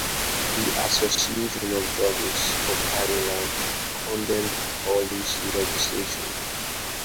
The Association of Judges of Ireland condemned the Polish legislation.